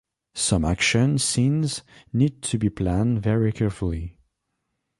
Some action scenes need to be planned very carefully.